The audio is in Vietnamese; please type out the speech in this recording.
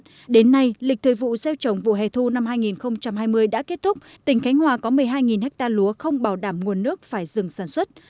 hôm nay lịch thời vụ gieo trồng vụ hè thu năm hai nghìn hai mươi đã kết thúc tỉnh khánh hòa có một mươi hai ha lúa không bảo đảm nguồn nước phải dừng sản xuất